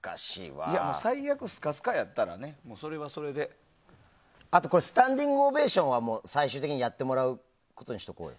最悪、スカスカやったらスタンディングオベーションは最終的にやってもらうことにしておこう。